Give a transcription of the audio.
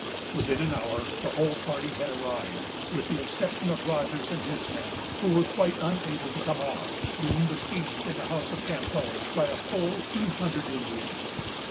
Within an hour, the whole party had arrived, with the exception of Rogers and his men, who were quite unable to come off, being besieged in the house of Campau, by full two hundred Indians.